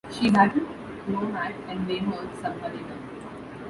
She battled Nomad and Namor the Sub-Mariner.